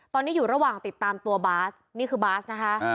ตอนนี้อยู่ระหว่างติดตามตัวบาสนี่คือบาสนะคะ